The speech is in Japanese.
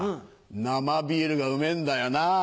生ビールがうめぇんだよなぁ。